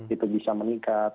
itu bisa meningkat